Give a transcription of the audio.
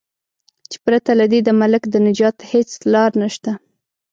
چې پرته له دې د ملک د نجات هیڅ لار نشته.